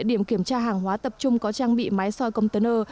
điểm kiểm tra hàng hóa tập trung có trang bị máy soi container